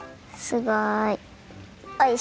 すごい！